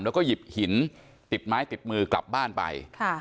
แล้วก็หยิบหินติดไม้ติดมือกลับบ้านไป